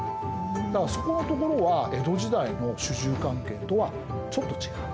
だからそこのところは江戸時代の主従関係とはちょっと違う。